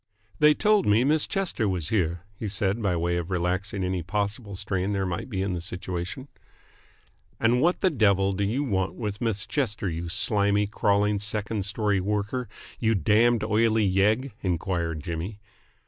"They told me Miss Chester was here," he said by way of relaxing any possible strain there might be in the situation. "And what the devil do you want with Miss Chester, you slimy, crawling second story worker, you damned, oily yegg?" enquired Jimmy.